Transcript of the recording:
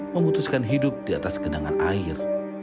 memutuskan hidup di atas genangan air